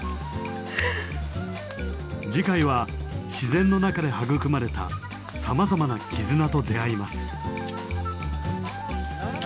次回は自然の中で育まれたさまざまな絆と出会います。